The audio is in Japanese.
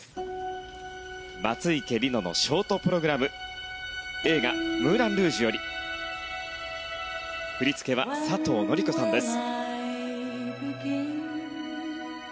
松生理乃のショートプログラム映画「ムーラン・ルージュ」より振り付けは佐藤紀子さんです。